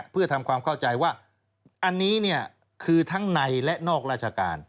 เพื่อทำความเข้าใจว่าอันนี้คือทั้งในและนอกราชการ